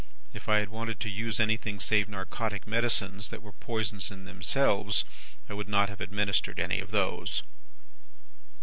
If I had wanted to use anything save narcotic medicines that were poisons in themselves, I would not have administered any of those.